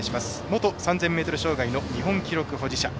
元３０００ｍ障害の日本記録保持者。